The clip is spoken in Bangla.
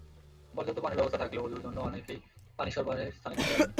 পর্যাপ্ত পানির ব্যবস্থা থাকলেও অজুর জন্য অনেকেই পানি সরবরাহের স্থানে যেতে পারেননি।